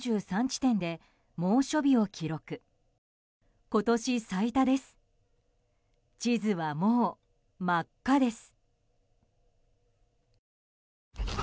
地図は、もう真っ赤です。